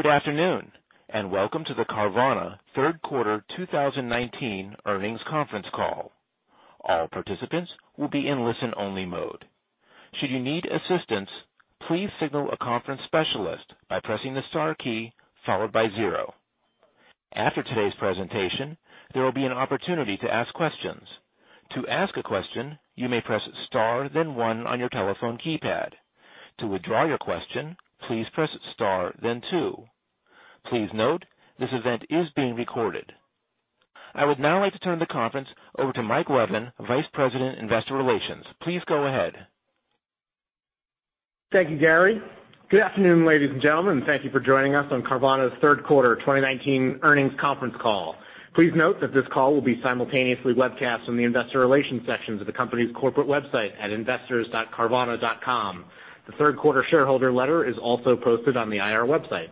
Good afternoon, and welcome to the Carvana third quarter 2019 earnings conference call. All participants will be in listen-only mode. Should you need assistance, please signal a conference specialist by pressing the star key followed by zero. After today's presentation, there will be an opportunity to ask questions. To ask a question, you may press star then one on your telephone keypad. To withdraw your question, please press star then two. Please note, this event is being recorded. I would now like to turn the conference over to Mike Levin, Vice President, Investor Relations. Please go ahead. Thank you, Gary. Good afternoon, ladies and gentlemen. Thank you for joining us on Carvana's third quarter 2019 earnings conference call. Please note that this call will be simultaneously webcast on the investor relations sections of the company's corporate website at investors.carvana.com. The third quarter shareholder letter is also posted on the IR website.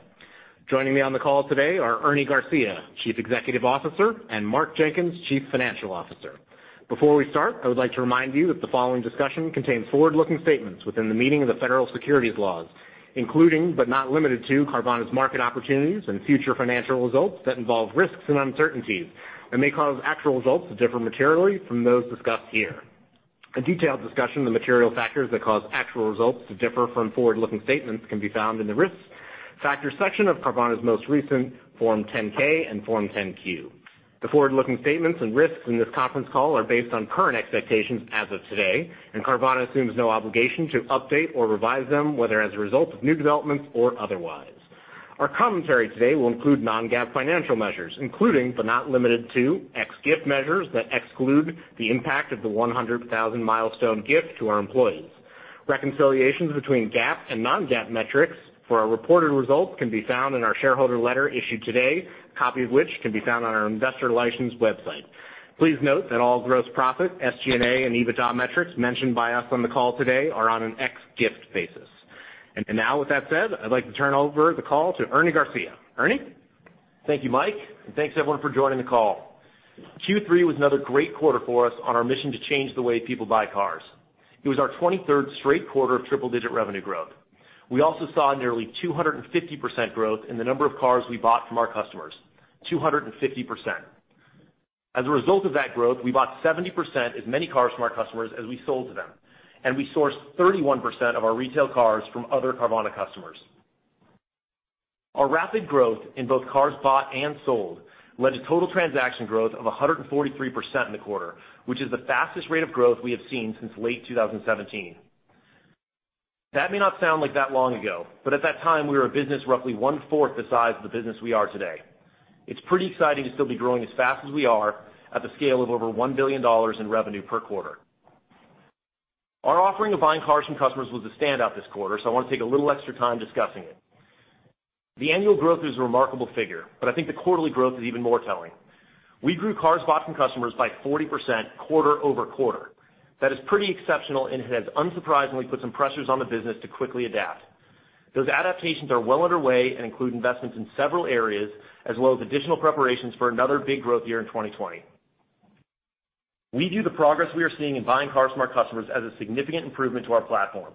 Joining me on the call today are Ernie Garcia, Chief Executive Officer, and Mark Jenkins, Chief Financial Officer. Before we start, I would like to remind you that the following discussion contains forward-looking statements within the meaning of the federal securities laws, including, but not limited to Carvana's market opportunities and future financial results that involve risks and uncertainties and may cause actual results to differ materially from those discussed here. A detailed discussion of the material factors that cause actual results to differ from forward-looking statements can be found in the risks factor section of Carvana's most recent Form 10-K and Form 10-Q. The forward-looking statements and risks in this conference call are based on current expectations as of today, and Carvana assumes no obligation to update or revise them, whether as a result of new developments or otherwise. Our commentary today will include non-GAAP financial measures, including, but not limited to, ex-gift measures that exclude the impact of the 100,000-milestone gift to our employees. Reconciliations between GAAP and non-GAAP metrics for our reported results can be found in our shareholder letter issued today, copy of which can be found on our investor relations website. Please note that all gross profit, SG&A, and EBITDA metrics mentioned by us on the call today are on an ex-gift basis. Now, with that said, I'd like to turn over the call to Ernie Garcia. Ernie? Thank you, Mike, and thanks, everyone, for joining the call. Q3 was another great quarter for us on our mission to change the way people buy cars. It was our 23rd straight quarter of triple-digit revenue growth. We also saw nearly 250% growth in the number of cars we bought from our customers, 250%. As a result of that growth, we bought 70% as many cars from our customers as we sold to them, and we sourced 31% of our retail cars from other Carvana customers. Our rapid growth in both cars bought and sold led to total transaction growth of 143% in the quarter, which is the fastest rate of growth we have seen since late 2017. That may not sound like that long ago, but at that time, we were a business roughly one-fourth the size of the business we are today. It's pretty exciting to still be growing as fast as we are at the scale of over $1 billion in revenue per quarter. Our offering of buying cars from customers was a standout this quarter. I want to take a little extra time discussing it. The annual growth is a remarkable figure. I think the quarterly growth is even more telling. We grew cars bought from customers by 40% quarter-over-quarter. That is pretty exceptional and has unsurprisingly put some pressures on the business to quickly adapt. Those adaptations are well underway and include investments in several areas, as well as additional preparations for another big growth year in 2020. We view the progress we are seeing in buying cars from our customers as a significant improvement to our platform.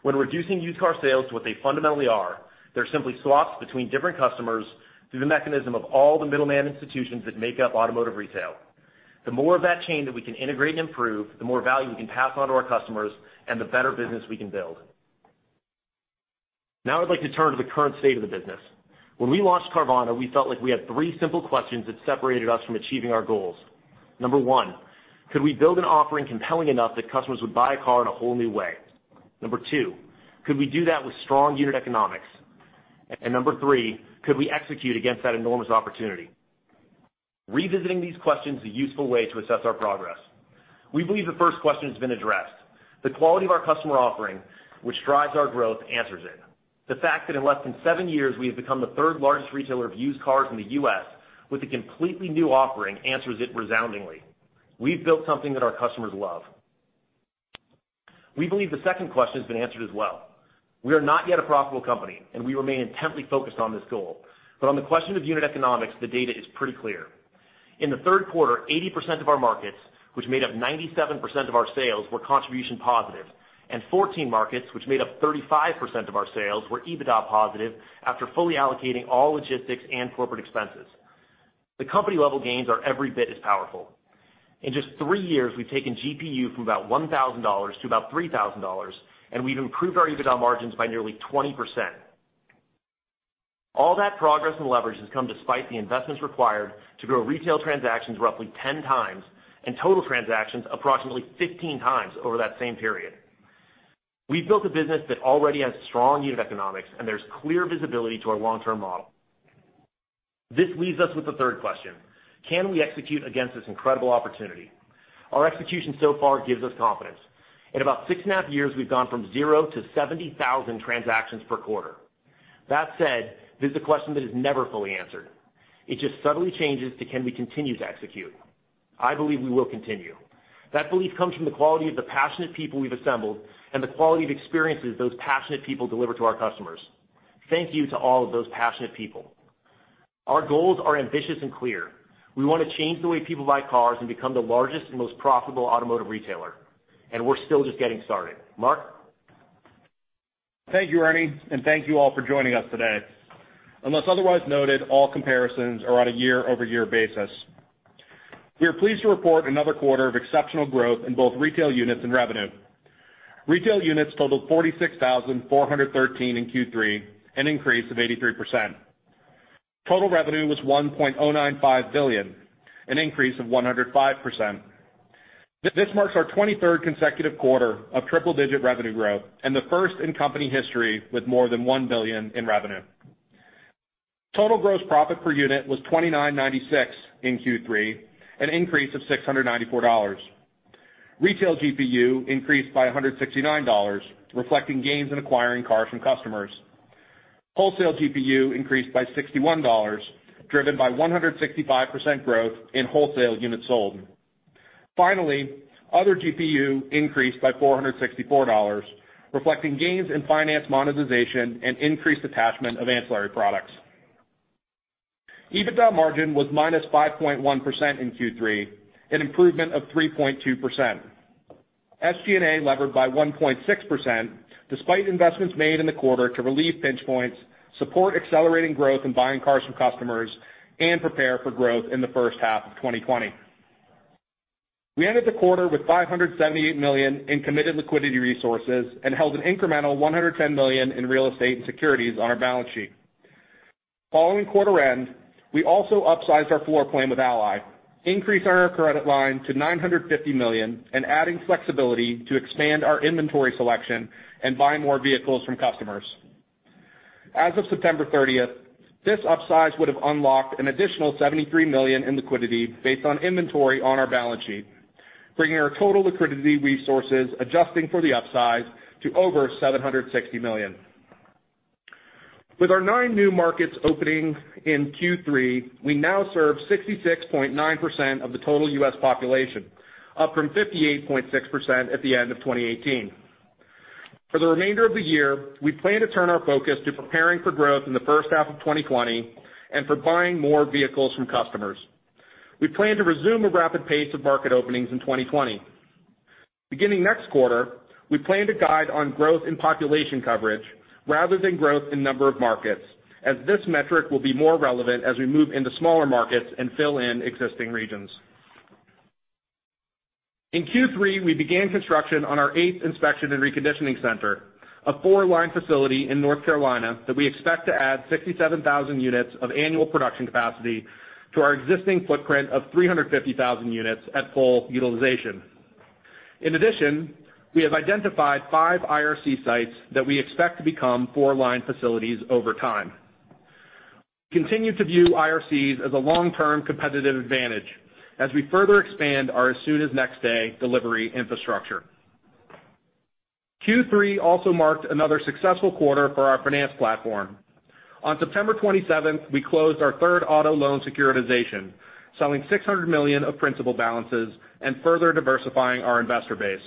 When reducing used car sales to what they fundamentally are, they're simply swaps between different customers through the mechanism of all the middleman institutions that make up automotive retail. The more of that chain that we can integrate and improve, the more value we can pass on to our customers and the better business we can build. I'd like to turn to the current state of the business. When we launched Carvana, we felt like we had three simple questions that separated us from achieving our goals. Number one, could we build an offering compelling enough that customers would buy a car in a whole new way? Number two, could we do that with strong unit economics? Number three, could we execute against that enormous opportunity? Revisiting these questions is a useful way to assess our progress. We believe the first question has been addressed. The quality of our customer offering, which drives our growth, answers it. The fact that in less than seven years, we have become the third-largest retailer of used cars in the U.S. with a completely new offering answers it resoundingly. We've built something that our customers love. We believe the second question has been answered as well. We are not yet a profitable company, and we remain intently focused on this goal. On the question of unit economics, the data is pretty clear. In the third quarter, 80% of our markets, which made up 97% of our sales, were contribution positive, and 14 markets, which made up 35% of our sales, were EBITDA positive after fully allocating all logistics and corporate expenses. The company-level gains are every bit as powerful. In just three years, we've taken GPU from about $1,000 to about $3,000, and we've improved our EBITDA margins by nearly 20%. All that progress and leverage has come despite the investments required to grow retail transactions roughly 10 times and total transactions approximately 15 times over that same period. We've built a business that already has strong unit economics, and there's clear visibility to our long-term model. This leaves us with the third question. Can we execute against this incredible opportunity? Our execution so far gives us confidence. In about six and a half years, we've gone from zero to 70,000 transactions per quarter. That said, this is a question that is never fully answered. It just subtly changes to can we continue to execute? I believe we will continue. That belief comes from the quality of the passionate people we've assembled and the quality of experiences those passionate people deliver to our customers. Thank you to all of those passionate people. Our goals are ambitious and clear. We want to change the way people buy cars and become the largest and most profitable automotive retailer. We're still just getting started. Mark? Thank you, Ernie, and thank you all for joining us today. Unless otherwise noted, all comparisons are on a year-over-year basis. We are pleased to report another quarter of exceptional growth in both retail units and revenue. Retail units totaled 46,413 in Q3, an increase of 83%. Total revenue was $1.095 billion, an increase of 105%. This marks our 23rd consecutive quarter of triple-digit revenue growth and the first in company history with more than $1 billion in revenue. Total gross profit per unit was $2,996 in Q3, an increase of $694. Retail GPU increased by $169, reflecting gains in acquiring cars from customers. Wholesale GPU increased by $61, driven by 165% growth in wholesale units sold. Finally, other GPU increased by $464, reflecting gains in finance monetization and increased attachment of ancillary products. EBITDA margin was -5.1% in Q3, an improvement of 3.2%. SG&A levered by 1.6%, despite investments made in the quarter to relieve pinch points, support accelerating growth in buying cars from customers, and prepare for growth in the first half of 2020. We ended the quarter with $578 million in committed liquidity resources and held an incremental $110 million in real estate and securities on our balance sheet. Following quarter end, we also upsized our floor plan with Ally, increased our credit line to $950 million, and adding flexibility to expand our inventory selection and buy more vehicles from customers. As of September 30th, this upsize would have unlocked an additional $73 million in liquidity based on inventory on our balance sheet, bringing our total liquidity resources, adjusting for the upsize, to over $760 million. With our nine new markets opening in Q3, we now serve 66.9% of the total U.S. population, up from 58.6% at the end of 2018. For the remainder of the year, we plan to turn our focus to preparing for growth in the first half of 2020 and for buying more vehicles from customers. We plan to resume a rapid pace of market openings in 2020. Beginning next quarter, we plan to guide on growth in population coverage rather than growth in number of markets, as this metric will be more relevant as we move into smaller markets and fill in existing regions. In Q3, we began construction on our eighth inspection and reconditioning center, a four-line facility in North Carolina that we expect to add 67,000 units of annual production capacity to our existing footprint of 350,000 units at full utilization. In addition, we have identified five IRC sites that we expect to become four-line facilities over time. We continue to view IRCs as a long-term competitive advantage as we further expand our as-soon-as-next-day delivery infrastructure. Q3 also marked another successful quarter for our finance platform. On September 27th, we closed our third auto loan securitization, selling $600 million of principal balances and further diversifying our investor base.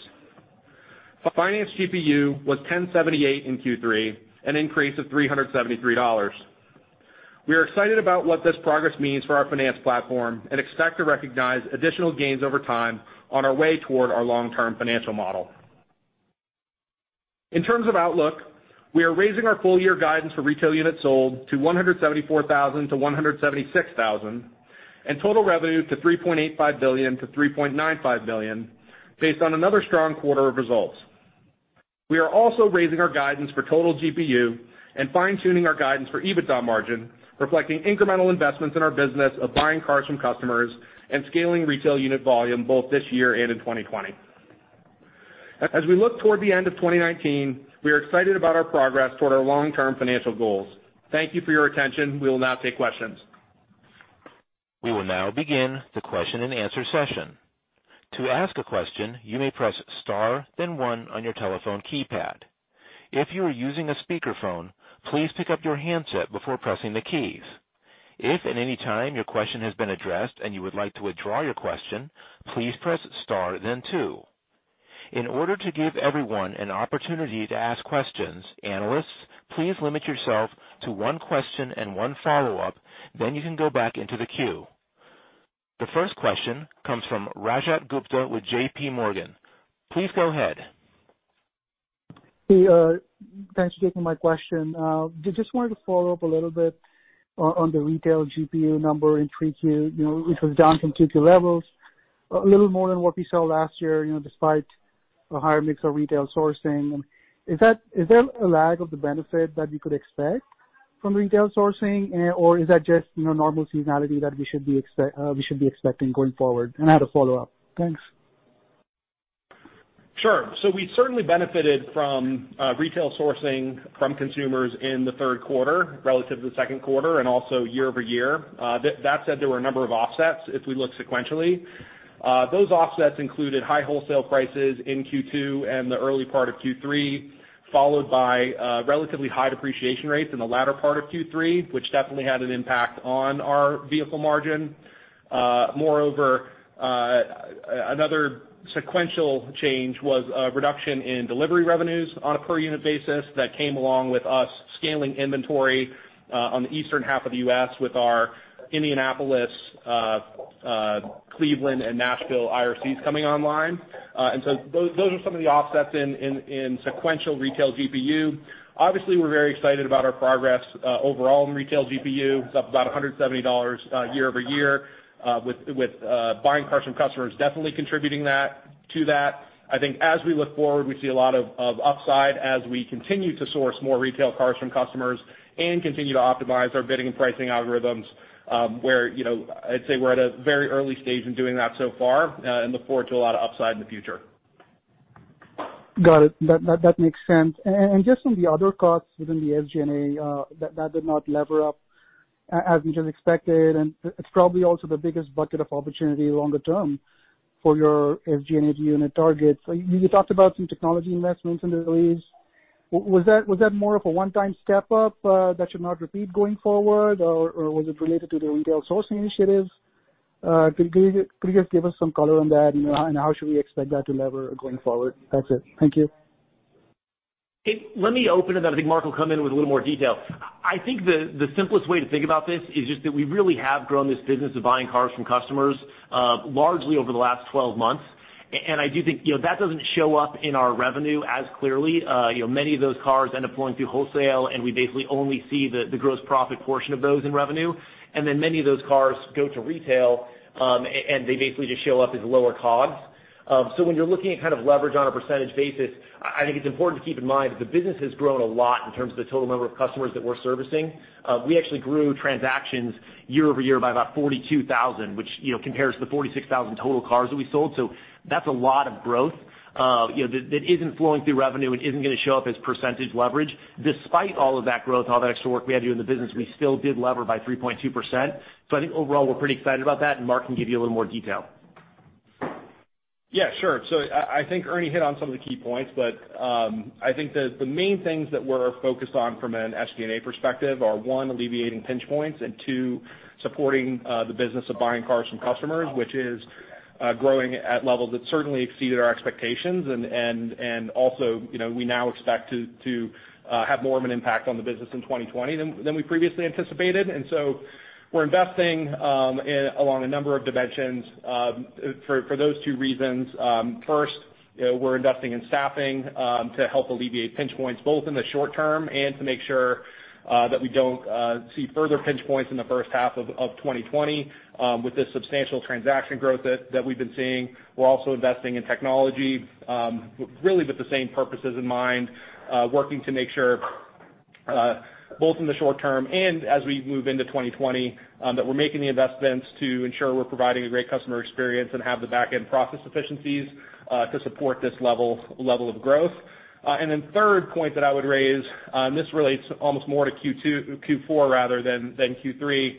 Finance GPU was $1,078 in Q3, an increase of $373. We are excited about what this progress means for our finance platform and expect to recognize additional gains over time on our way toward our long-term financial model. In terms of outlook, we are raising our full-year guidance for retail units sold to 174,000-176,000 and total revenue to $3.85 billion-$3.95 billion, based on another strong quarter of results. We are also raising our guidance for total GPU and fine-tuning our guidance for EBITDA margin, reflecting incremental investments in our business of buying cars from customers and scaling retail unit volume both this year and in 2020. As we look toward the end of 2019, we are excited about our progress toward our long-term financial goals. Thank you for your attention. We will now take questions. We will now begin the question and answer session. To ask a question, you may press star then one on your telephone keypad. If you are using a speakerphone, please pick up your handset before pressing the keys. If at any time your question has been addressed and you would like to withdraw your question, please press star then two. In order to give everyone an opportunity to ask questions, analysts, please limit yourself to one question and one follow-up, then you can go back into the queue. The first question comes from Rajat Gupta with JPMorgan. Please go ahead. Hey, thanks for taking my question. Just wanted to follow up a little bit on the retail GPU number in 3Q. It was down from 2Q levels, a little more than what we saw last year despite a higher mix of retail sourcing. Is there a lag of the benefit that we could expect from retail sourcing, or is that just normal seasonality that we should be expecting going forward? I had a follow-up. Thanks. Sure. We certainly benefited from retail sourcing from consumers in the third quarter relative to the second quarter and also year-over-year. That said, there were a number of offsets if we look sequentially. Those offsets included high wholesale prices in Q2 and the early part of Q3, followed by relatively high depreciation rates in the latter part of Q3, which definitely had an impact on our vehicle margin. Moreover Another sequential change was a reduction in delivery revenues on a per unit basis that came along with us scaling inventory on the eastern half of the U.S. with our Indianapolis, Cleveland, and Nashville IRCs coming online. Those are some of the offsets in sequential retail GPU. Obviously, we're very excited about our progress overall in retail GPU. It's up about $170 year-over-year, with buying cars from customers definitely contributing to that. I think as we look forward, we see a lot of upside as we continue to source more retail cars from customers and continue to optimize our bidding and pricing algorithms, where I'd say we're at a very early stage in doing that so far and look forward to a lot of upside in the future. Got it. That makes sense. Just on the other costs within the SG&A that did not lever up as we just expected, it's probably also the biggest bucket of opportunity longer term for your SG&A unit targets. You talked about some technology investments in the release. Was that more of a one-time step up that should not repeat going forward, or was it related to the retail sourcing initiatives? Could you just give us some color on that, how should we expect that to lever going forward? That's it. Thank you. Let me open it up. I think Mark will come in with a little more detail. I think the simplest way to think about this is just that we really have grown this business of buying cars from customers largely over the last 12 months. I do think that doesn't show up in our revenue as clearly. Many of those cars end up flowing through wholesale, and we basically only see the gross profit portion of those in revenue. Then many of those cars go to retail, and they basically just show up as lower COGS. When you're looking at leverage on a percentage basis, I think it's important to keep in mind that the business has grown a lot in terms of the total number of customers that we're servicing. We actually grew transactions year over year by about 42,000, which compares to the 46,000 total cars that we sold. That's a lot of growth that isn't flowing through revenue and isn't going to show up as percentage leverage. Despite all of that growth, all the extra work we had to do in the business, we still did lever by 3.2%. I think overall, we're pretty excited about that, and Mark can give you a little more detail. Yeah, sure. I think Ernie hit on some of the key points, but I think that the main things that we're focused on from an SG&A perspective are, one, alleviating pinch points, and two, supporting the business of buying cars from customers, which is growing at levels that certainly exceeded our expectations. Also, we now expect to have more of an impact on the business in 2020 than we previously anticipated. We're investing along a number of dimensions for those two reasons. First, we're investing in staffing to help alleviate pinch points both in the short term and to make sure that we don't see further pinch points in the first half of 2020 with the substantial transaction growth that we've been seeing. We're also investing in technology, really with the same purposes in mind, working to make sure both in the short term and as we move into 2020, that we're making the investments to ensure we're providing a great customer experience and have the back-end process efficiencies to support this level of growth. Then third point that I would raise, this relates almost more to Q4 rather than Q3.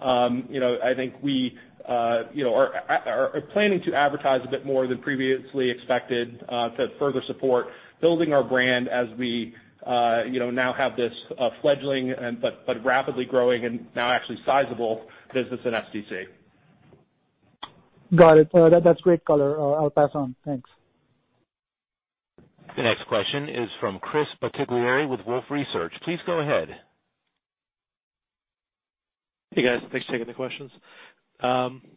I think we are planning to advertise a bit more than previously expected to further support building our brand as we now have this fledgling but rapidly growing and now actually sizable business in SDC. Got it. That's great color. I'll pass on. Thanks. The next question is from Chris Bottiglieri with Wolfe Research. Please go ahead. Hey, guys. Thanks for taking the questions.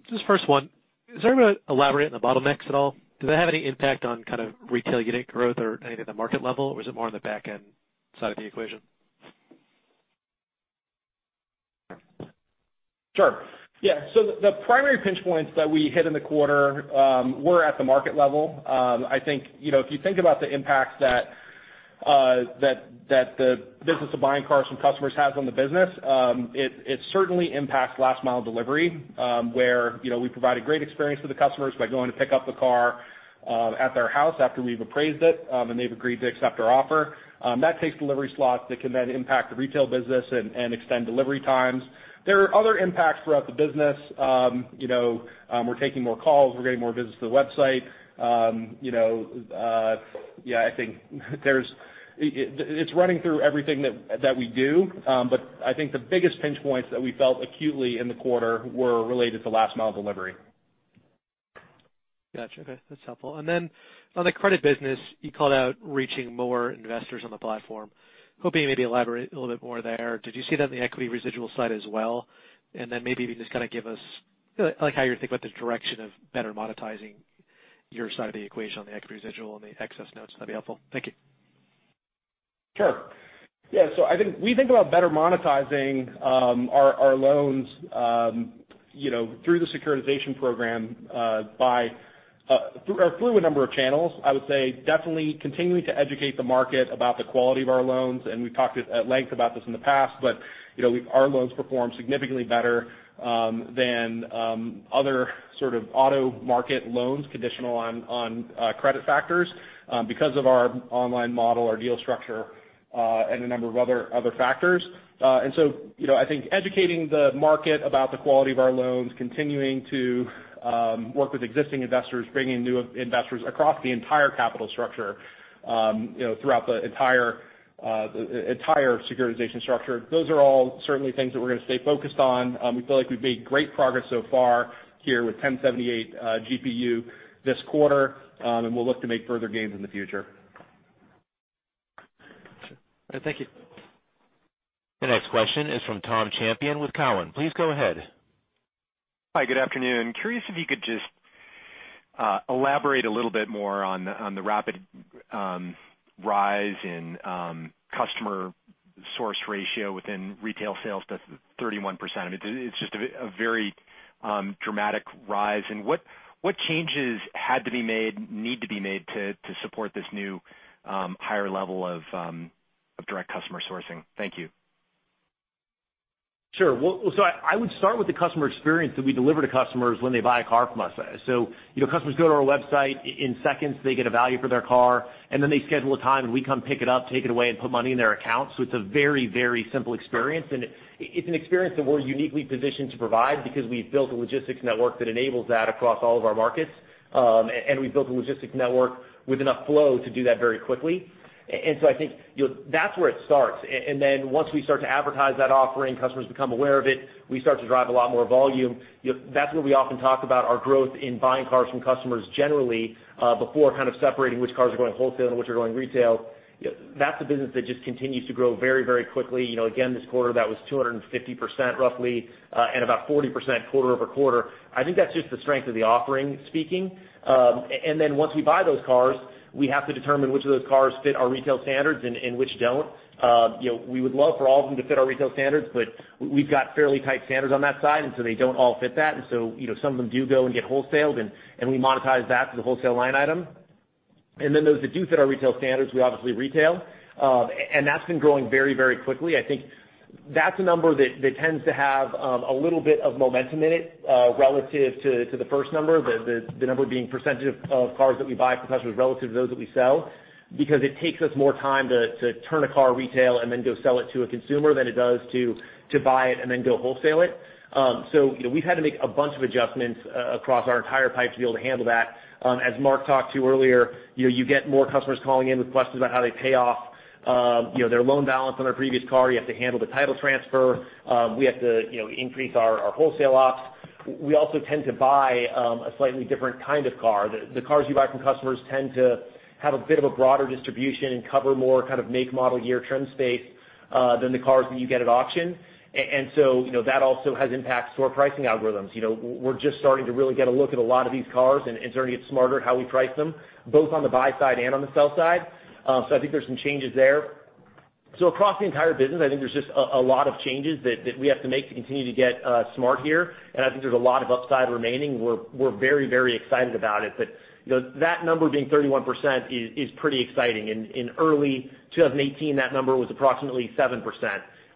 Just first one, is there a way to elaborate on the bottlenecks at all? Do they have any impact on retail unit growth or any of the market level, or is it more on the back-end side of the equation? Sure. Yeah. The primary pinch points that we hit in the quarter were at the market level. I think if you think about the impacts that the business of buying cars from customers has on the business, it certainly impacts last mile delivery, where we provide a great experience for the customers by going to pick up the car at their house after we've appraised it and they've agreed to accept our offer. That takes delivery slots that can then impact the retail business and extend delivery times. There are other impacts throughout the business. We're taking more calls. We're getting more visits to the website. It's running through everything that we do. I think the biggest pinch points that we felt acutely in the quarter were related to last mile delivery. Got you. Okay, that's helpful. On the credit business, you called out reaching more investors on the platform. Hoping you maybe elaborate a little bit more there. Did you see that on the equity residual side as well? Maybe if you just give us how you're thinking about the direction of better monetizing your side of the equation on the equity residual and the excess notes. That'd be helpful. Thank you. Sure. Yeah. I think we think about better monetizing our loans through the securitization program through a number of channels. I would say definitely continuing to educate the market about the quality of our loans, and we've talked at length about this in the past, but our loans perform significantly better than other sort of auto market loans conditional on credit factors because of our online model, our deal structure, and a number of other factors. I think educating the market about the quality of our loans, continuing to work with existing investors, bringing new investors across the entire capital structure throughout the entire securitization structure. Those are all certainly things that we're going to stay focused on. We feel like we've made great progress so far here with 1078 GPU this quarter, and we'll look to make further gains in the future. All right. Thank you. The next question is from Tom Champion with Cowen. Please go ahead. Hi, good afternoon. Curious if you could just elaborate a little bit more on the rapid rise in customer source ratio within retail sales. That's 31%. It's just a very dramatic rise. What changes had to be made, need to be made to support this new, higher level of direct customer sourcing? Thank you. Sure. Well, I would start with the customer experience that we deliver to customers when they buy a car from us. Customers go to our website. In seconds, they get a value for their car, and then they schedule a time, and we come pick it up, take it away, and put money in their account. It's a very, very simple experience, and it's an experience that we're uniquely positioned to provide because we've built a logistics network that enables that across all of our markets. We've built a logistics network with enough flow to do that very quickly. I think that's where it starts. Once we start to advertise that offering, customers become aware of it, we start to drive a lot more volume. That's where we often talk about our growth in buying cars from customers generally, before kind of separating which cars are going wholesale and which are going retail. That's a business that just continues to grow very, very quickly. Again, this quarter, that was 250% roughly, and about 40% quarter-over-quarter. I think that's just the strength of the offering speaking. Once we buy those cars, we have to determine which of those cars fit our retail standards and which don't. We would love for all of them to fit our retail standards, but we've got fairly tight standards on that side, and so they don't all fit that. Some of them do go and get wholesaled, and we monetize that to the wholesale line item. Those that do fit our retail standards, we obviously retail. That's been growing very, very quickly. I think that's a number that tends to have a little bit of momentum in it relative to the first number, the number being percentage of cars that we buy from customers relative to those that we sell, because it takes us more time to turn a car retail and then go sell it to a consumer than it does to buy it and then go wholesale it. We've had to make a bunch of adjustments across our entire pipe to be able to handle that. As Mark talked to earlier, you get more customers calling in with questions about how they pay off their loan balance on their previous car. You have to handle the title transfer. We have to increase our wholesale ops. We also tend to buy a slightly different kind of car. The cars you buy from customers tend to have a bit of a broader distribution and cover more kind of make, model, year, trim states than the cars that you get at auction. That also has impacts to our pricing algorithms. We're just starting to really get a look at a lot of these cars and starting to get smarter how we price them, both on the buy side and on the sell side. I think there's some changes there. Across the entire business, I think there's just a lot of changes that we have to make to continue to get smart here, and I think there's a lot of upside remaining. We're very, very excited about it. That number being 31% is pretty exciting. In early 2018, that number was approximately 7%,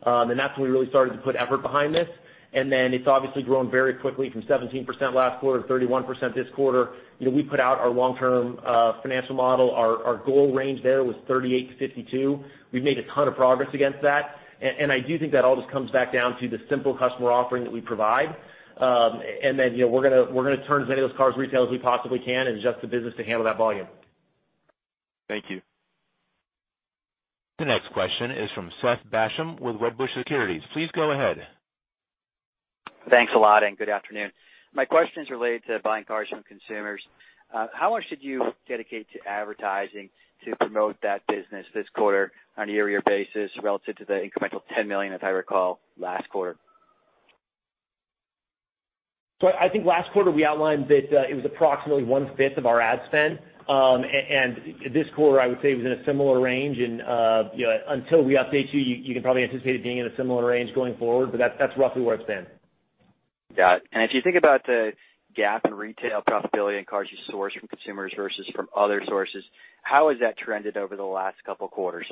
and that's when we really started to put effort behind this. It's obviously grown very quickly from 17% last quarter to 31% this quarter. We put out our long-term financial model. Our goal range there was 38%-52%. We've made a ton of progress against that, and I do think that all just comes back down to the simple customer offering that we provide. We're going to turn as many of those cars retail as we possibly can and adjust the business to handle that volume. Thank you. The next question is from Seth Basham with Wedbush Securities. Please go ahead. Thanks a lot, and good afternoon. My question's related to buying cars from consumers. How much did you dedicate to advertising to promote that business this quarter on a year-over-year basis relative to the incremental $10 million, as I recall, last quarter? I think last quarter we outlined that it was approximately one-fifth of our ad spend. This quarter, I would say it was in a similar range. Until we update you can probably anticipate it being in a similar range going forward, but that's roughly where it's been. Got it. If you think about the gap in retail profitability in cars you source from consumers versus from other sources, how has that trended over the last couple quarters?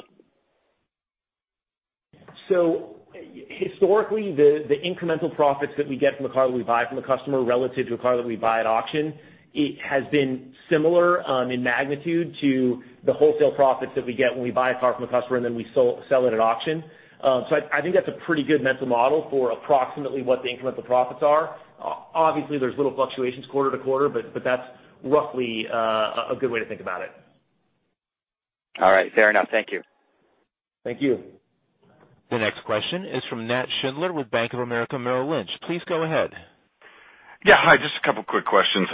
Historically, the incremental profits that we get from a car that we buy from a customer relative to a car that we buy at auction, it has been similar in magnitude to the wholesale profits that we get when we buy a car from a customer and then we sell it at auction. I think that's a pretty good mental model for approximately what the incremental profits are. Obviously, there's little fluctuations quarter to quarter, but that's roughly a good way to think about it. All right. Fair enough. Thank you. Thank you. The next question is from Nat Schindler with Bank of America Merrill Lynch. Please go ahead. Yeah. Hi, just a couple quick questions.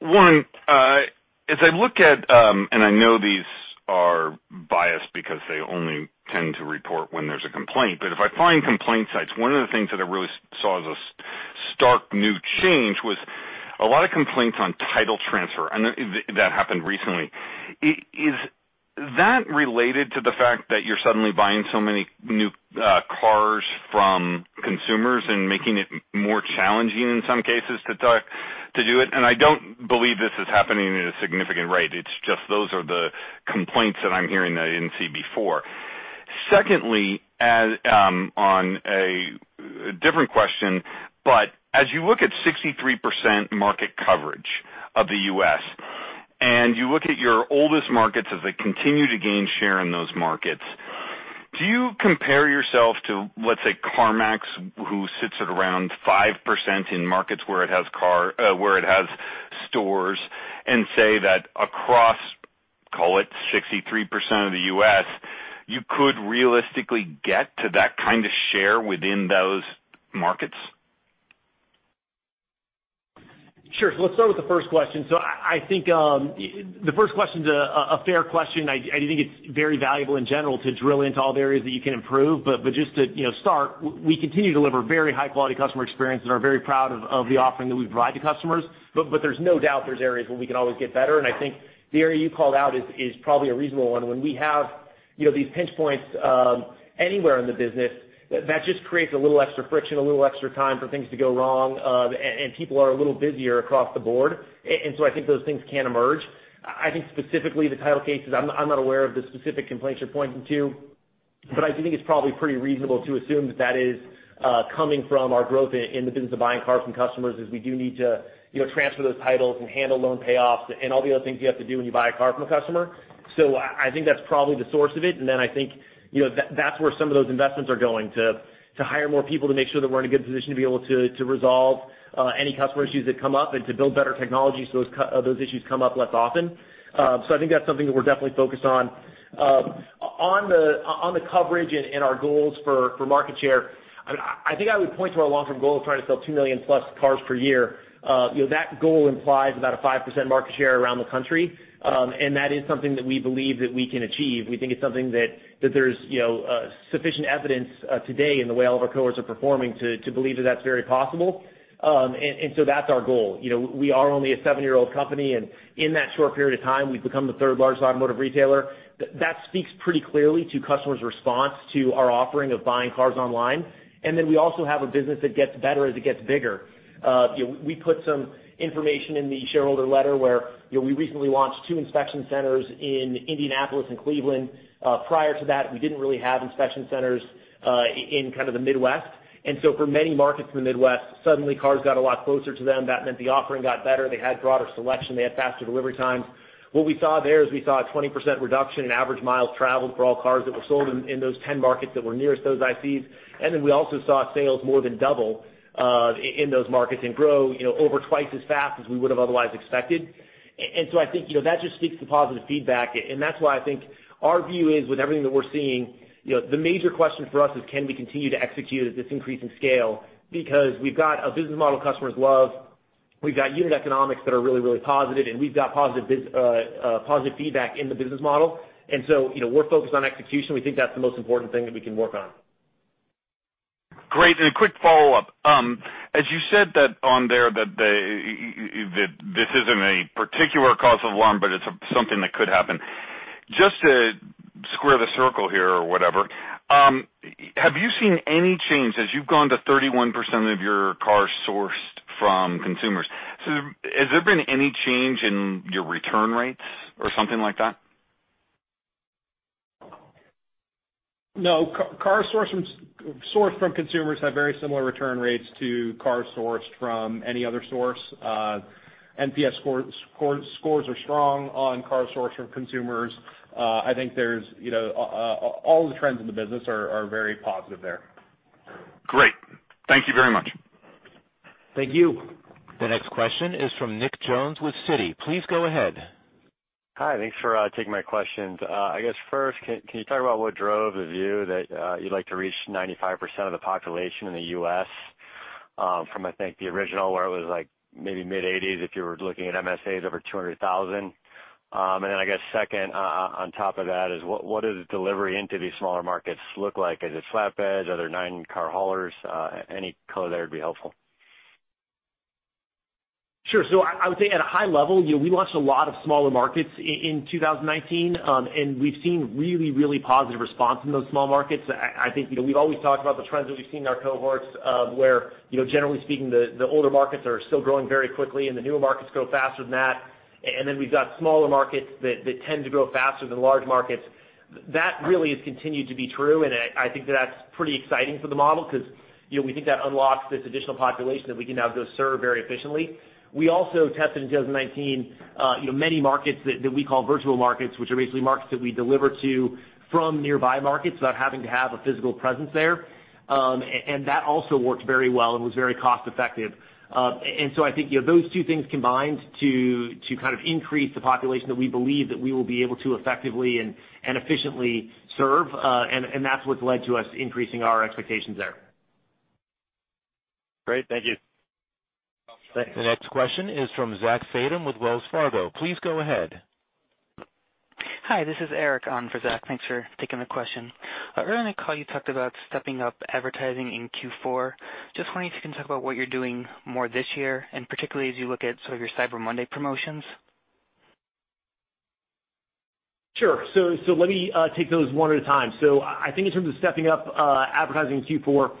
One, as I look at, and I know these are biased because they only tend to report when there's a complaint, but if I find complaint sites, one of the things that I really saw as a stark new change was a lot of complaints on title transfer, and that happened recently. Is that related to the fact that you're suddenly buying so many new cars from consumers and making it more challenging in some cases to do it? I don't believe this is happening at a significant rate. It's just those are the complaints that I'm hearing that I didn't see before. Secondly, on a different question, but as you look at 63% market coverage of the U.S. and you look at your oldest markets as they continue to gain share in those markets, do you compare yourself to, let's say, CarMax, who sits at around 5% in markets where it has stores and say that across, call it 63% of the U.S., you could realistically get to that kind of share within those markets? Sure. Let's start with the first question. I think the first question's a fair question. I do think it's very valuable in general to drill into all the areas that you can improve. Just to start, we continue to deliver very high-quality customer experience and are very proud of the offering that we provide to customers. There's no doubt there's areas where we can always get better, and I think the area you called out is probably a reasonable one. When we have these pinch points anywhere in the business, that just creates a little extra friction, a little extra time for things to go wrong, and people are a little busier across the board. I think those things can emerge. I think specifically the title cases, I'm not aware of the specific complaints you're pointing to, but I do think it's probably pretty reasonable to assume that is coming from our growth in the business of buying cars from customers, as we do need to transfer those titles and handle loan payoffs and all the other things you have to do when you buy a car from a customer. I think that's probably the source of it, and then I think that's where some of those investments are going, to hire more people to make sure that we're in a good position to be able to resolve any customer issues that come up and to build better technology so those issues come up less often. I think that's something that we're definitely focused on. On the coverage and our goals for market share, I think I would point to our long-term goal of trying to sell two million plus cars per year. That goal implies about a 5% market share around the country. That is something that we believe that we can achieve. We think it's something that there's sufficient evidence today in the way all of our cohorts are performing to believe that's very possible. That's our goal. We are only a seven-year-old company. In that short period of time, we've become the third largest automotive retailer. That speaks pretty clearly to customers' response to our offering of buying cars online. We also have a business that gets better as it gets bigger. We put some information in the shareholder letter where we recently launched two inspection centers in Indianapolis and Cleveland. Prior to that, we didn't really have inspection centers in kind of the Midwest. For many markets in the Midwest, suddenly cars got a lot closer to them. That meant the offering got better. They had broader selection. They had faster delivery times. What we saw there is we saw a 20% reduction in average miles traveled for all cars that were sold in those 10 markets that were nearest those ICs. We also saw sales more than double in those markets and grow over twice as fast as we would have otherwise expected. I think that just speaks to positive feedback, and that's why I think our view is with everything that we're seeing, the major question for us is can we continue to execute at this increasing scale? We've got a business model customers love, we've got unit economics that are really positive, and we've got positive feedback in the business model. We're focused on execution. We think that's the most important thing that we can work on. Great. A quick follow-up. You said that on there that this isn't a particular cause of alarm, but it's something that could happen. Just to square the circle here or whatever, have you seen any change as you've gone to 31% of your cars sourced from consumers? Has there been any change in your return rates or something like that? No. Cars sourced from consumers have very similar return rates to cars sourced from any other source. NPS scores are strong on cars sourced from consumers. I think all the trends in the business are very positive there. Great. Thank you very much. Thank you. The next question is from Nick Jones with Citi. Please go ahead. Hi. Thanks for taking my questions. I guess first, can you talk about what drove the view that you'd like to reach 95% of the population in the U.S. from, I think, the original, where it was maybe mid-80s if you were looking at MSAs over 200,000? I guess second on top of that is what does delivery into these smaller markets look like? Is it flatbeds? Are there nine car haulers? Any color there would be helpful. Sure. I would say at a high level, we launched a lot of smaller markets in 2019, and we've seen really, really positive response from those small markets. I think we've always talked about the trends that we've seen in our cohorts, where, generally speaking, the older markets are still growing very quickly, and the newer markets grow faster than that. Then we've got smaller markets that tend to grow faster than large markets. That really has continued to be true, and I think that's pretty exciting for the model because we think that unlocks this additional population that we can now go serve very efficiently. We also tested in 2019 many markets that we call virtual markets, which are basically markets that we deliver to from nearby markets without having to have a physical presence there. That also worked very well and was very cost-effective. I think those two things combined to kind of increase the population that we believe that we will be able to effectively and efficiently serve, and that's what's led to us increasing our expectations there. Great. Thank you. Thanks. The next question is from Zach Fadem with Wells Fargo. Please go ahead. Hi, this is Eric on for Zach. Thanks for taking the question. Earlier in the call, you talked about stepping up advertising in Q4. Just wondering if you can talk about what you're doing more this year, particularly as you look at sort of your Cyber Monday promotions. Sure. Let me take those one at a time. I think in terms of stepping up advertising in Q4,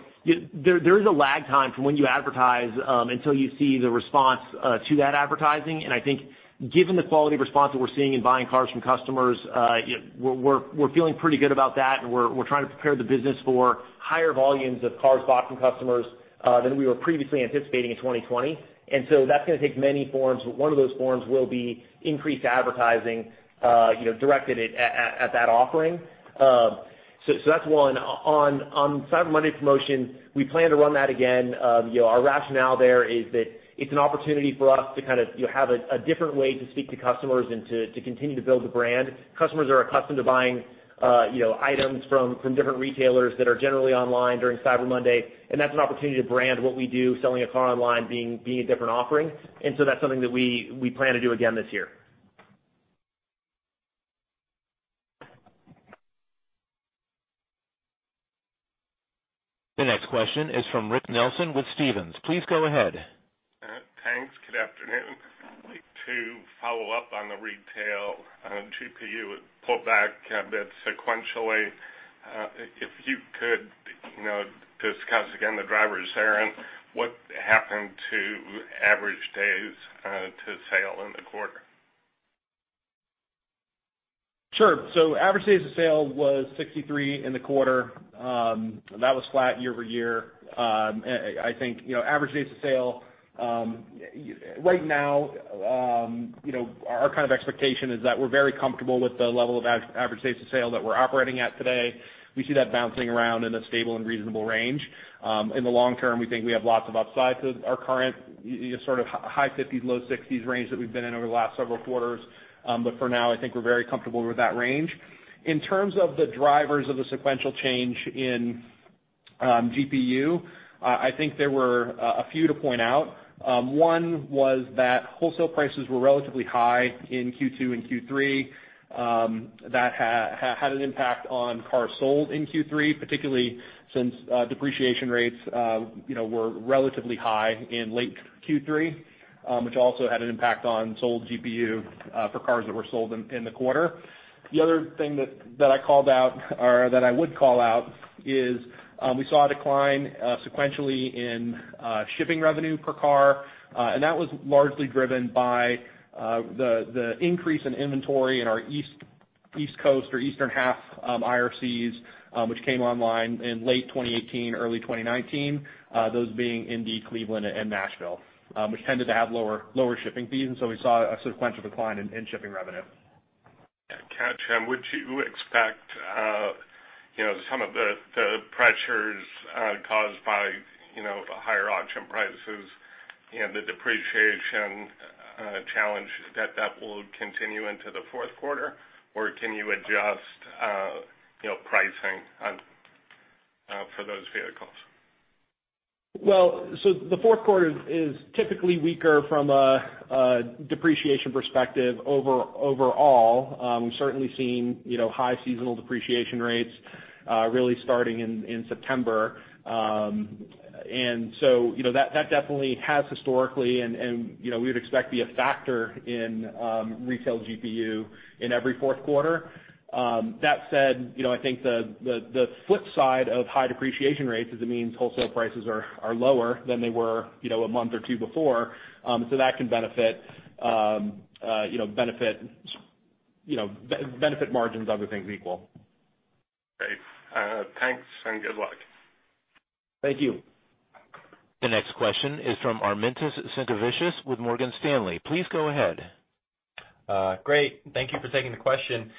there is a lag time from when you advertise until you see the response to that advertising, and I think given the quality of response that we're seeing in buying cars from customers, we're feeling pretty good about that, and we're trying to prepare the business for higher volumes of cars bought from customers than we were previously anticipating in 2020. That's going to take many forms. One of those forms will be increased advertising directed at that offering. That's one. On Cyber Monday promotion, we plan to run that again. Our rationale there is that it's an opportunity for us to kind of have a different way to speak to customers and to continue to build the brand. Customers are accustomed to buying items from different retailers that are generally online during Cyber Monday, and that's an opportunity to brand what we do, selling a car online being a different offering. That's something that we plan to do again this year. The next question is from Rick Nelson with Stephens. Please go ahead. Thanks. Good afternoon. I'd like to follow up on the retail GPU. It pulled back a bit sequentially. If you could discuss again the drivers there and what happened to average days to sale in the quarter. Sure. Average days of sale was 63 in the quarter. That was flat year-over-year. I think, average days of sale, right now, our expectation is that we're very comfortable with the level of average days of sale that we're operating at today. We see that bouncing around in a stable and reasonable range. In the long term, we think we have lots of upside to our current high 50s, low 60s range that we've been in over the last several quarters. For now, I think we're very comfortable with that range. In terms of the drivers of the sequential change in GPU, I think there were a few to point out. One was that wholesale prices were relatively high in Q2 and Q3. That had an impact on cars sold in Q3, particularly since depreciation rates were relatively high in late Q3, which also had an impact on sold GPU for cars that were sold in the quarter. The other thing that I called out, or that I would call out, is we saw a decline sequentially in shipping revenue per car, and that was largely driven by the increase in inventory in our East Coast or eastern half IRCs, which came online in late 2018, early 2019, those being in the Cleveland and Nashville, which tended to have lower shipping fees. So we saw a sequential decline in shipping revenue. Gotcha. Would you expect some of the pressures caused by higher auction prices and the depreciation challenge, that that will continue into the fourth quarter? Can you adjust pricing for those vehicles? Well, the fourth quarter is typically weaker from a depreciation perspective overall. We've certainly seen high seasonal depreciation rates really starting in September. That definitely has historically, and we would expect be a factor in retail GPU in every fourth quarter. That said, I think the flip side of high depreciation rates is it means wholesale prices are lower than they were a month or two before. That can benefit margins, other things equal. Great. Thanks and good luck. Thank you. The next question is from Armintas Sinkevicius with Morgan Stanley. Please go ahead. Great. Thank you for taking the question.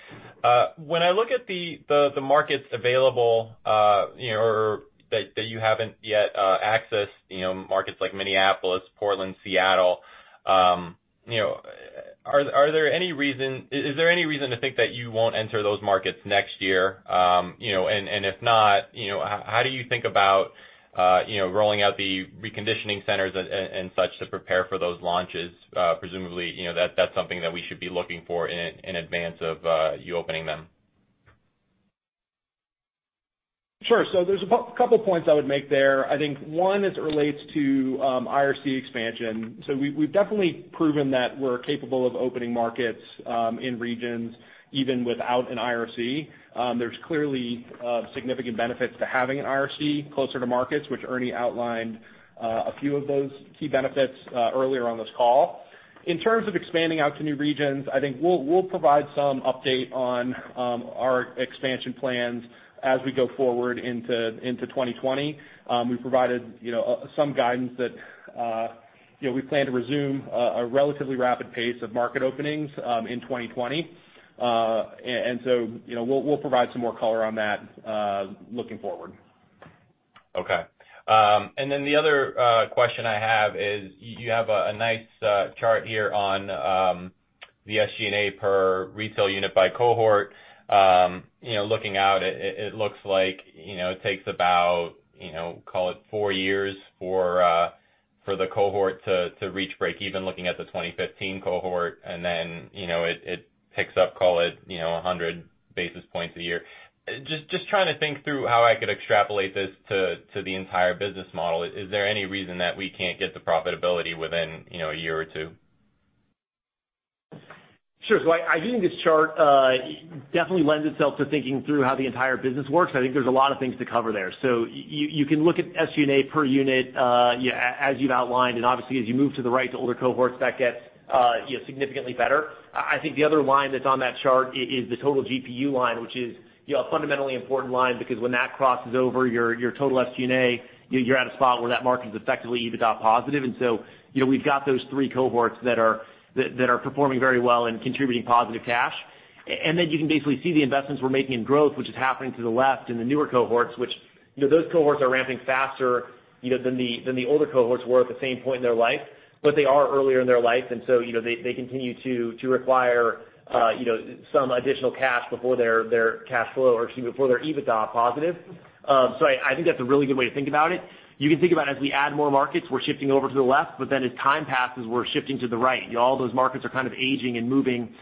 When I look at the markets available that you haven't yet accessed, markets like Minneapolis, Portland, Seattle, is there any reason to think that you won't enter those markets next year? If not, how do you think about rolling out the reconditioning centers and such to prepare for those launches? Presumably, that's something that we should be looking for in advance of you opening them. Sure. There's a couple points I would make there. I think one as it relates to IRC expansion. We've definitely proven that we're capable of opening markets in regions even without an IRC. There's clearly significant benefits to having an IRC closer to markets, which Ernie outlined a few of those key benefits earlier on this call. In terms of expanding out to new regions, I think we'll provide some update on our expansion plans as we go forward into 2020. We've provided some guidance that we plan to resume a relatively rapid pace of market openings in 2020. We'll provide some more color on that looking forward. Okay. The other question I have is you have a nice chart here on the SG&A per retail unit by cohort. Looking at it looks like it takes about four years for the cohort to reach breakeven, looking at the 2015 cohort, and then it picks up 100 basis points a year. Just trying to think through how I could extrapolate this to the entire business model. Is there any reason that we can't get to profitability within a year or two? Sure. I do think this chart definitely lends itself to thinking through how the entire business works, and I think there's a lot of things to cover there. You can look at SG&A per unit as you've outlined, and obviously as you move to the right to older cohorts, that gets significantly better. I think the other line that's on that chart is the total GPU line, which is a fundamentally important line because when that crosses over your total SG&A, you're at a spot where that market is effectively EBITDA positive. We've got those three cohorts that are performing very well and contributing positive cash. Then you can basically see the investments we're making in growth, which is happening to the left in the newer cohorts, which those cohorts are ramping faster than the older cohorts were at the same point in their life. They are earlier in their life, they continue to require some additional cash before their cash flow, or excuse me, before they're EBITDA positive. I think that's a really good way to think about it. You can think about as we add more markets, we're shifting over to the left, as time passes, we're shifting to the right. All those markets are aging and moving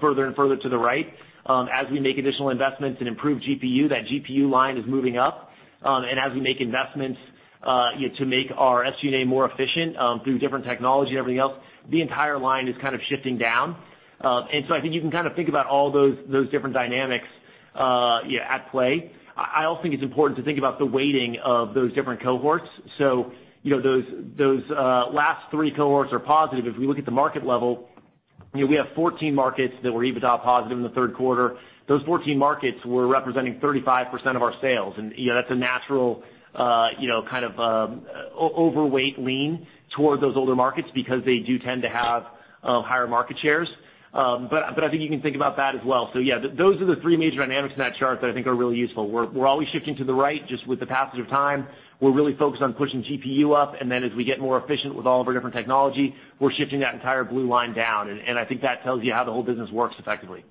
further and further to the right. As we make additional investments and improve GPU, that GPU line is moving up. As we make investments to make our SG&A more efficient through different technology and everything else, the entire line is kind of shifting down. I think you can think about all those different dynamics at play. I also think it's important to think about the weighting of those different cohorts. Those last three cohorts are positive. If we look at the market level, we have 14 markets that were EBITDA positive in the third quarter. Those 14 markets were representing 35% of our sales. That's a natural kind of overweight lean toward those older markets because they do tend to have higher market shares. I think you can think about that as well. Yeah, those are the three major dynamics in that chart that I think are really useful. We're always shifting to the right, just with the passage of time. We're really focused on pushing GPU up, and then as we get more efficient with all of our different technology, we're shifting that entire blue line down. I think that tells you how the whole business works effectively.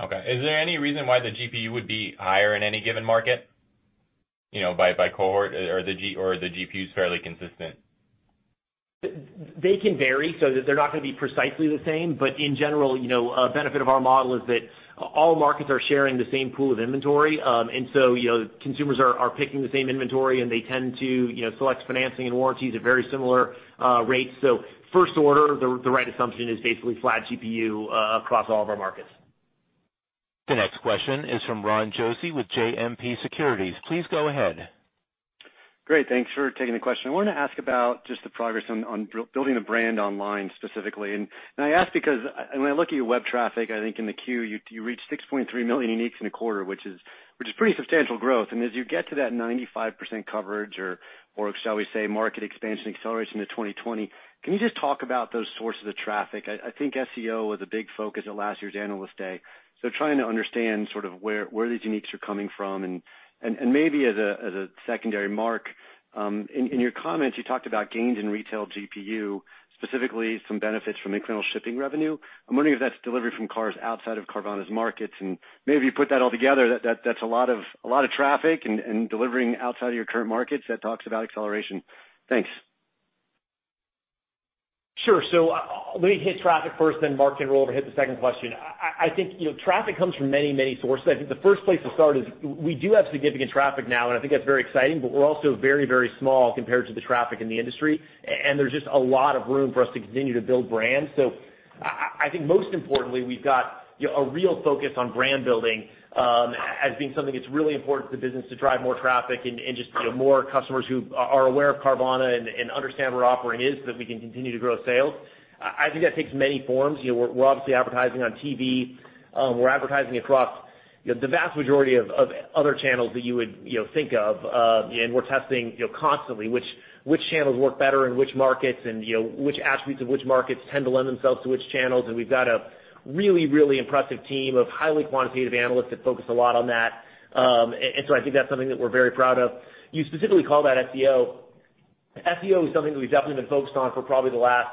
Is there any reason why the GPU would be higher in any given market by cohort or the GPU is fairly consistent? They can vary, so they're not going to be precisely the same. In general, a benefit of our model is that all markets are sharing the same pool of inventory. Consumers are picking the same inventory, and they tend to select financing and warranties at very similar rates. First order, the right assumption is basically flat GPU across all of our markets. The next question is from Ron Josey with JMP Securities. Please go ahead. Great. Thanks for taking the question. I wanted to ask about just the progress on building the brand online specifically. I ask because when I look at your web traffic, I think in the Q, you reached 6.3 million uniques in a quarter, which is pretty substantial growth. As you get to that 95% coverage or shall we say, market expansion acceleration to 2020, can you just talk about those sources of traffic? I think SEO was a big focus at last year's Analyst Day. Trying to understand sort of where these uniques are coming from and maybe as a secondary, Mark, in your comments, you talked about gains in retail GPU, specifically some benefits from incremental shipping revenue. I'm wondering if that's delivery from cars outside of Carvana's markets, and maybe if you put that all together, that's a lot of traffic and delivering outside of your current markets that talks about acceleration. Thanks. Sure. Let me hit traffic first, then Mark can roll over, hit the second question. I think, traffic comes from many, many sources. I think the first place to start is we do have significant traffic now, and I think that's very exciting. We're also very, very small compared to the traffic in the industry, and there's just a lot of room for us to continue to build brand. I think most importantly, we've got a real focus on brand building as being something that's really important to the business to drive more traffic and just more customers who are aware of Carvana and understand what our offering is so that we can continue to grow sales. I think that takes many forms. We're obviously advertising on TV. We're advertising across the vast majority of other channels that you would think of. We're testing constantly, which channels work better in which markets and which attributes of which markets tend to lend themselves to which channels. We've got a really, really impressive team of highly quantitative analysts that focus a lot on that. I think that's something that we're very proud of. You specifically called out SEO. SEO is something that we've definitely been focused on for probably the last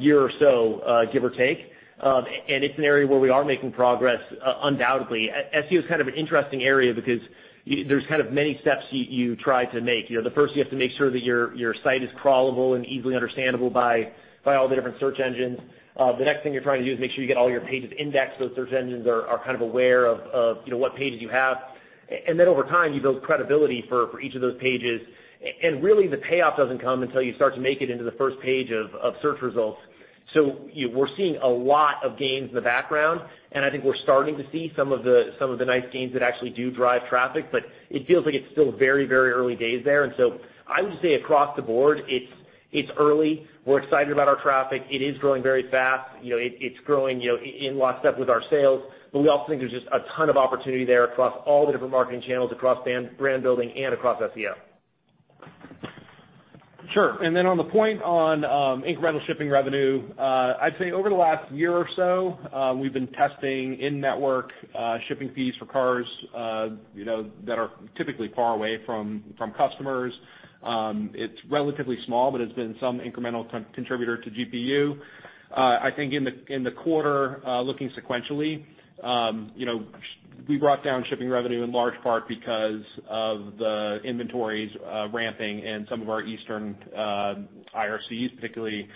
year or so, give or take. It's an area where we are making progress undoubtedly. SEO is kind of an interesting area because there's many steps you try to make. The first, you have to make sure that your site is crawlable and easily understandable by all the different search engines. The next thing you're trying to do is make sure you get all your pages indexed, so search engines are kind of aware of what pages you have. Over time, you build credibility for each of those pages. The payoff doesn't come until you start to make it into the first page of search results. We're seeing a lot of gains in the background, and I think we're starting to see some of the nice gains that actually do drive traffic, but it feels like it's still very, very early days there. I would just say across the board, it's early. We're excited about our traffic. It is growing very fast. It's growing in lockstep with our sales. We also think there's just a ton of opportunity there across all the different marketing channels, across brand building, and across SEO. Sure. On the point on incremental shipping revenue, I'd say over the last year or so, we've been testing in-network shipping fees for cars that are typically far away from customers. It's relatively small, but it's been some incremental contributor to GPU. I think in the quarter, looking sequentially, we brought down shipping revenue in large part because of the inventories ramping in some of our eastern IRCs, particularly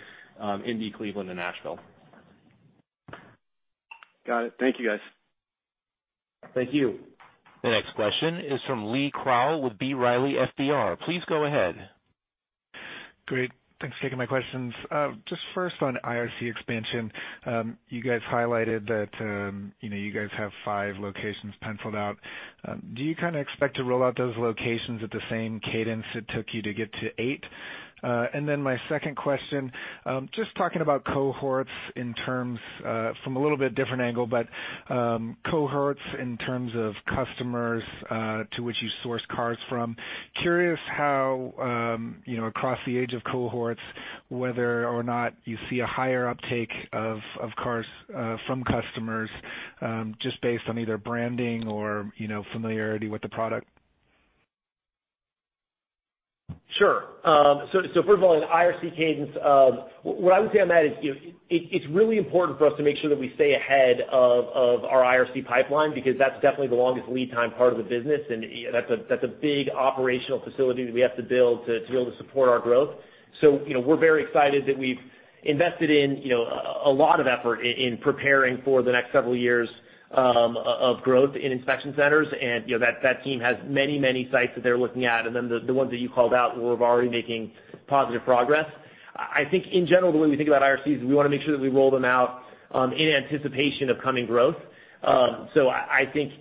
Indy, Cleveland, and Nashville. Got it. Thank you, guys. Thank you. The next question is from Lee Krowl with B. Riley FBR. Please go ahead. Great. Thanks for taking my questions. Just first on IRC expansion. You guys highlighted that you guys have five locations penciled out. Do you kind of expect to roll out those locations at the same cadence it took you to get to eight? My second question, just talking about cohorts in terms from a little bit different angle, but cohorts in terms of customers, to which you source cars from. Curious how across the age of cohorts, whether or not you see a higher uptake of cars from customers, just based on either branding or familiarity with the product. Sure. First of all, in IRC cadence, what I would say on that is it's really important for us to make sure that we stay ahead of our IRC pipeline, because that's definitely the longest lead time part of the business, and that's a big operational facility that we have to build to be able to support our growth. We're very excited that we've invested in a lot of effort in preparing for the next several years of growth in inspection centers, and that team has many, many sites that they're looking at. The ones that you called out, we're already making positive progress. I think in general, the way we think about IRC is we want to make sure that we roll them out in anticipation of coming growth. I think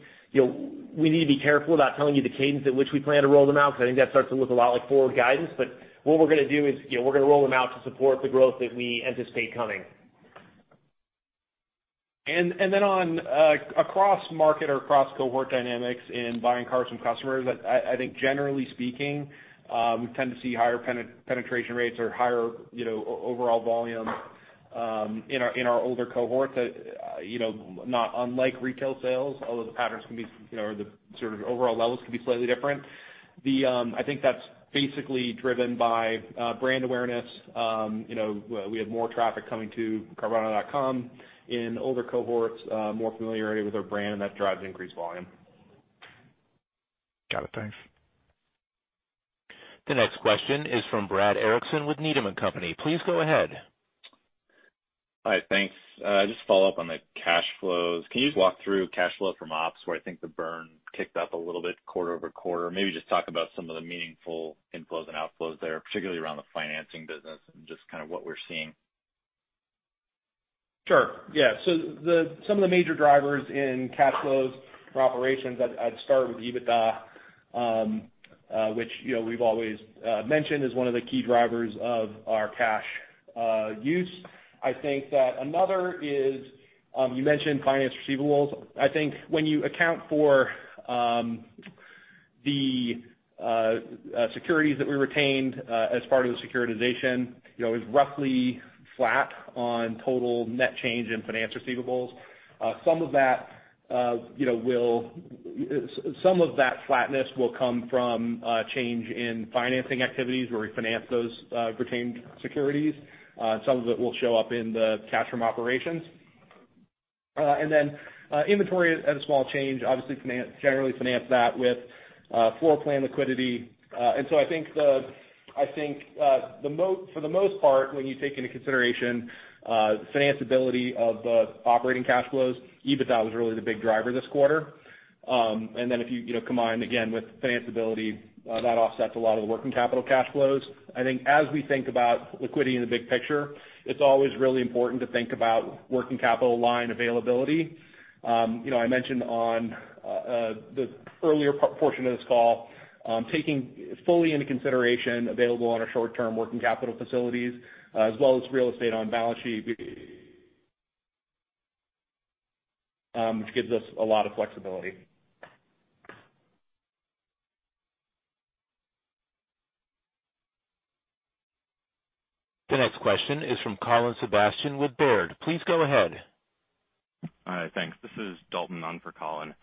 we need to be careful about telling you the cadence at which we plan to roll them out, because I think that starts to look a lot like forward guidance. What we're going to do is we're going to roll them out to support the growth that we anticipate coming. Then on across market or across cohort dynamics in buying cars from customers, I think generally speaking, we tend to see higher penetration rates or higher overall volume in our older cohorts, not unlike retail sales, although the patterns or the sort of overall levels could be slightly different. I think that's basically driven by brand awareness. We have more traffic coming to carvana.com in older cohorts, more familiarity with our brand, and that drives increased volume. Got it, thanks. The next question is from Brad Erickson with Needham & Company. Please go ahead. All right, thanks. Just to follow up on the cash flows, can you just walk through cash flow from ops, where I think the burn kicked up a little bit quarter-over-quarter? Maybe just talk about some of the meaningful inflows and outflows there, particularly around the financing business and just what we're seeing. Sure. Yeah. Some of the major drivers in cash flows for operations, I'd start with EBITDA, which we've always mentioned is one of the key drivers of our cash use. I think that another is, you mentioned finance receivables. I think when you account for the securities that we retained as part of the securitization, it was roughly flat on total net change in finance receivables. Some of that flatness will come from a change in financing activities where we finance those retained securities. Some of it will show up in the cash from operations. Inventory had a small change, obviously, generally finance that with floor plan liquidity. I think for the most part, when you take into consideration financability of the operating cash flows, EBITDA was really the big driver this quarter. If you combine, again, with financability, that offsets a lot of the working capital cash flows. I think as we think about liquidity in the big picture, it's always really important to think about working capital line availability. I mentioned on the earlier portion of this call, taking fully into consideration available on our short-term working capital facilities as well as real estate on balance sheet, which gives us a lot of flexibility. The next question is from Colin Sebastian with Baird. Please go ahead. All right, thanks. This is Dalton on for Colin.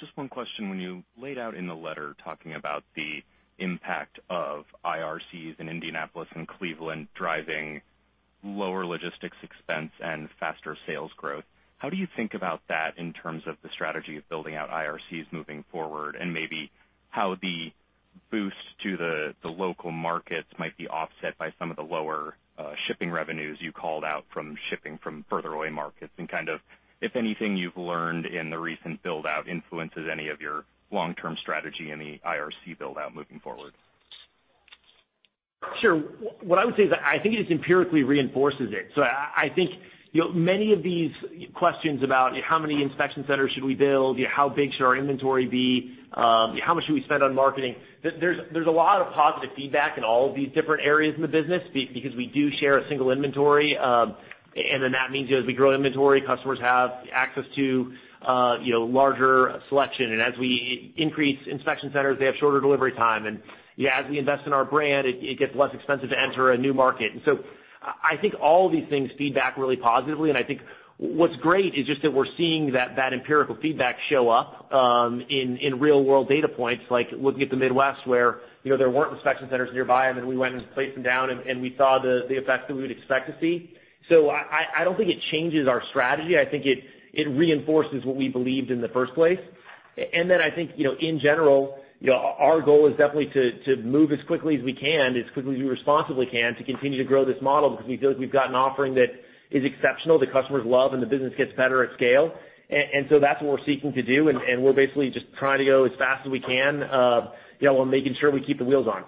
Just one question. When you laid out in the letter talking about the impact of IRCs in Indianapolis and Cleveland driving lower logistics expense and faster sales growth, how do you think about that in terms of the strategy of building out IRCs moving forward? Maybe how the boost to the local markets might be offset by some of the lower shipping revenues you called out from shipping from further away markets and if anything you've learned in the recent build-out influences any of your long-term strategy in the IRC build-out moving forward. Sure. What I would say is that I think it just empirically reinforces it. I think many of these questions about how many inspection centers should we build, how big should our inventory be, how much should we spend on marketing, there's a lot of positive feedback in all of these different areas in the business because we do share a single inventory. That means as we grow inventory, customers have access to larger selection. As we increase inspection centers, they have shorter delivery time. As we invest in our brand, it gets less expensive to enter a new market. I think all of these things feedback really positively, and I think what's great is just that we're seeing that empirical feedback show up in real-world data points, like looking at the Midwest where there weren't inspection centers nearby, and then we went and placed them down and we saw the effects that we would expect to see. I don't think it changes our strategy. I think it reinforces what we believed in the first place. I think, in general, our goal is definitely to move as quickly as we can, as quickly as we responsibly can to continue to grow this model because we feel like we've got an offering that is exceptional, the customers love, and the business gets better at scale. That's what we're seeking to do, and we're basically just trying to go as fast as we can while making sure we keep the wheels on.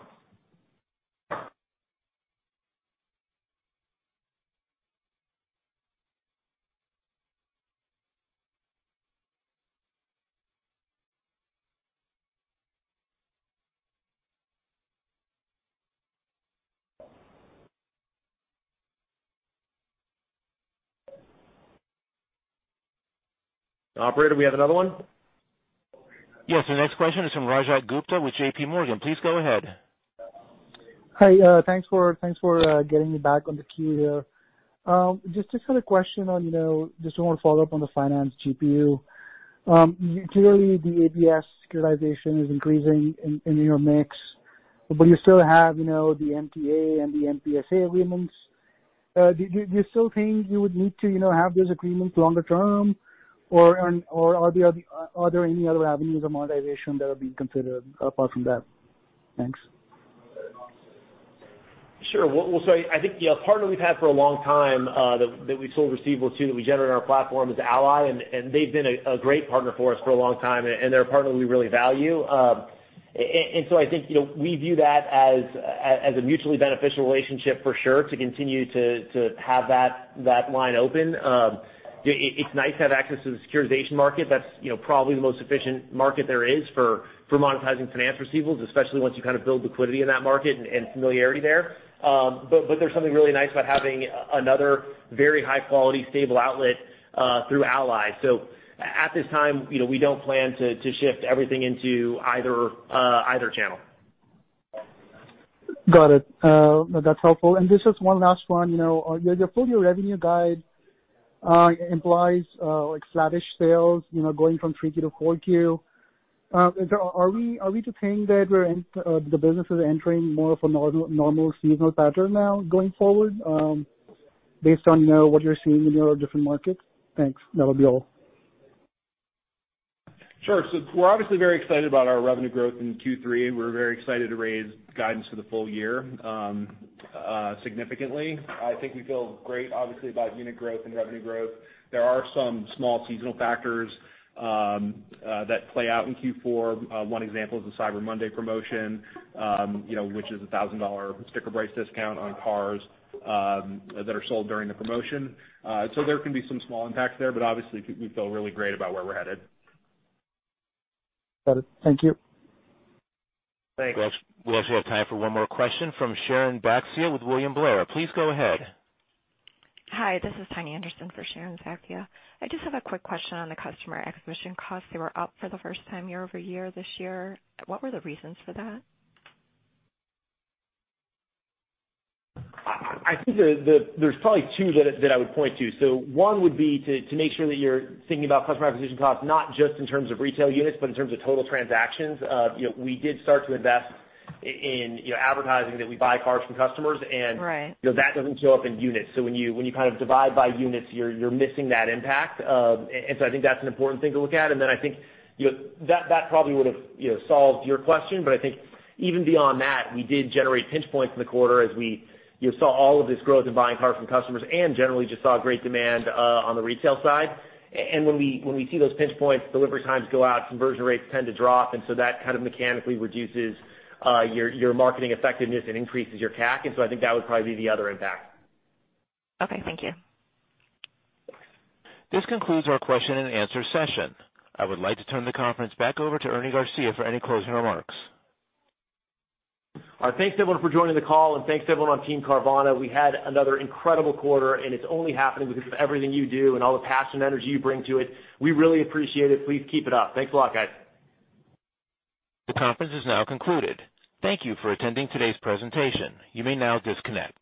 Operator, do we have another one? Yes. The next question is from Rajat Gupta with JPMorgan. Please go ahead. Hi. Thanks for getting me back on the queue here. Just want to follow up on the finance GPU. Clearly, the ABS securitization is increasing in your mix, but you still have the MTA and the MPSA agreements. Do you still think you would need to have those agreements longer term, or are there any other avenues of monetization that are being considered apart from that? Thanks. Well, I think a partner we've had for a long time that we sold receivables to, that we generate on our platform, is Ally, and they've been a great partner for us for a long time, and they're a partner we really value. I think we view that as a mutually beneficial relationship for sure to continue to have that line open. It's nice to have access to the securitization market. That's probably the most efficient market there is for monetizing finance receivables, especially once you build liquidity in that market and familiarity there. There's something really nice about having another very high-quality stable outlet through Ally. At this time, we don't plan to shift everything into either channel. Got it. That's helpful. Just one last one. Your full-year revenue guide implies flattish sales going from 3Q to 4Q. Are we to think that the business is entering more of a normal seasonal pattern now going forward based on what you're seeing in your different markets? Thanks. That would be all. Sure. We're obviously very excited about our revenue growth in Q3. We're very excited to raise guidance for the full year significantly. I think we feel great, obviously, about unit growth and revenue growth. There are some small seasonal factors that play out in Q4. One example is the Cyber Monday promotion which is a $1,000 sticker price discount on cars that are sold during the promotion. There can be some small impacts there, but obviously, we feel really great about where we're headed. Got it. Thank you. Thanks. We actually have time for one more question from Sharon Zackfia with William Blair. Please go ahead. Hi, this is Tania Anderson for Sharon Zackfia. I just have a quick question on the customer acquisition costs. They were up for the first time year-over-year this year. What were the reasons for that? I think there's probably two that I would point to. One would be to make sure that you're thinking about customer acquisition costs, not just in terms of retail units, but in terms of total transactions. We did start to invest in advertising that we buy cars from customers. Right that doesn't show up in units. When you divide by units, you're missing that impact. I think that's an important thing to look at. I think that probably would've solved your question, but I think even beyond that, we did generate pinch points in the quarter as we saw all of this growth in buying cars from customers and generally just saw great demand on the retail side. When we see those pinch points, delivery times go out, conversion rates tend to drop, and so that mechanically reduces your marketing effectiveness and increases your CAC. I think that would probably be the other impact. Okay. Thank you. This concludes our question and answer session. I would like to turn the conference back over to Ernie Garcia for any closing remarks. All right, thanks, everyone, for joining the call, and thanks, everyone on Team Carvana. We had another incredible quarter, and it's only happening because of everything you do and all the passion and energy you bring to it. We really appreciate it. Please keep it up. Thanks a lot, guys. The conference is now concluded. Thank you for attending today's presentation. You may now disconnect.